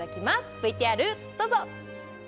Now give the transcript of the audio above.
ＶＴＲどうぞ！